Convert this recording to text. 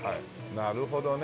なるほどね。